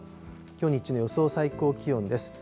きょう日中の予想最高気温です。